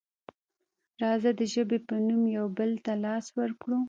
راځه د ژبې په نوم یو بل ته لاس ورکړو.